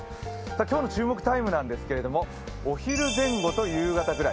今日の注目タイムなんですけども、お昼前後と夕方ぐらい。